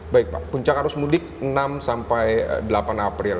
baik pak puncak arus mudik enam sampai delapan april